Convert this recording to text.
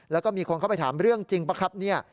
แล้วก็มีคนเข้าไปถามเรื่องจริงป่ะครับเนี่ย